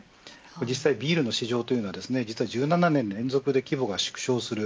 実際ビールの市場は１７年連続で規模が縮小する